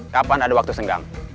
kapan ada waktu senggang